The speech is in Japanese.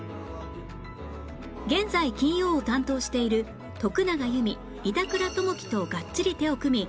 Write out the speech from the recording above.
現在金曜を担当している徳永有美板倉朋希とがっちり手を組み